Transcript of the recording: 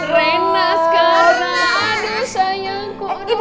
rena sekarang aduh sayangku